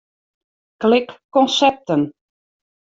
Klik Konsepten.